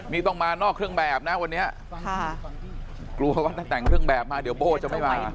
นี่ต้องมานอกเครื่องแบบนะวันนี้กลัวว่าถ้าแต่งเครื่องแบบมาเดี๋ยวโบ้จะไม่มา